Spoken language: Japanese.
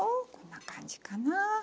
こんな感じかな。